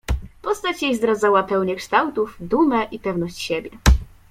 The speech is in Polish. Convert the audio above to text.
"Postać jej zdradzała pełnię kształtów, dumę i pewność siebie."